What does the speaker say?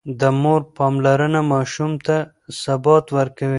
د مور پاملرنه ماشوم ته ثبات ورکوي.